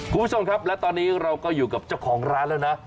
คุณผู้ชมครับและตอนนี้เราก็อยู่กับเจ้าของร้านแล้วนะ